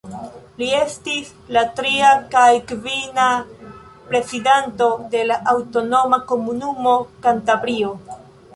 Li estis la tria kaj kvina prezidanto de la aŭtonoma komunumo Kantabrio.